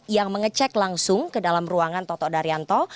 yang mengecek langsung ke dalam ruangan toto daryanto